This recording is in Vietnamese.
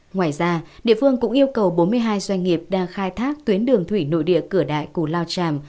ngoài ra địa phương cũng yêu cầu bốn mươi hai doanh nghiệp đang khai thác tuyến đường thủy nội địa cửa đại cù lao tràm